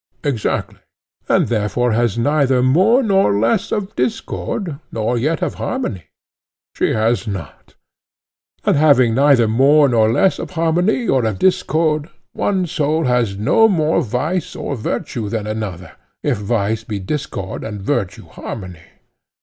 Exactly. And therefore has neither more nor less of discord, nor yet of harmony? She has not. And having neither more nor less of harmony or of discord, one soul has no more vice or virtue than another, if vice be discord and virtue harmony?